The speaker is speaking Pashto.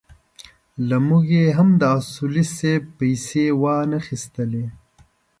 له موږ یې هم د اصولي صیب پېسې وانخيستلې.